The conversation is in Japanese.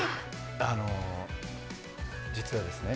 あの実はですね